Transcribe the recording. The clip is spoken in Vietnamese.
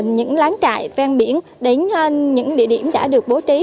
những láng trại vang biển đến những địa điểm đã được bố trí